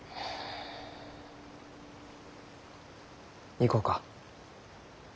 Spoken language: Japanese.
行こうか。